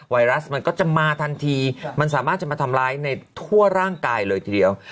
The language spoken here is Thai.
ไรัสมันก็จะมาทันทีมันสามารถจะมาทำร้ายในทั่วร่างกายเลยทีเดียว